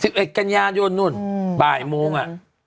สิบเอ็ดกัญญายนต์นู้นบ่ายโมงอ่ะ